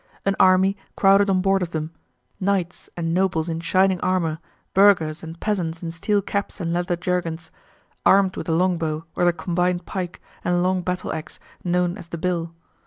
An army crowded on board of them, knights and nobles in shining armour, burghers and peasants in steel caps and leather jerkins, armed with the long bow or the combined pike and long battle axe known as the "bill."